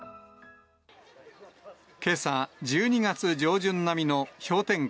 けさ、１２月上旬並みの氷点下